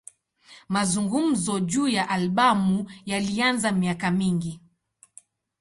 Mazungumzo juu ya albamu yalianza miaka mingi.